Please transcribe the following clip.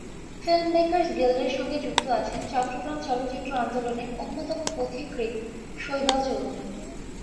Filmmakers গিল্ডের সঙ্গে যুক্ত আছেন চট্টগ্রাম চলচ্চিত্র আন্দোলনের অন্যতম পথিকৃৎ শৈবাল চৌধুরী।